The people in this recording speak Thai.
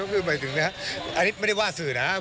คือหมายถึงนะอันนี้ไม่ได้ว่าสื่อนะครับ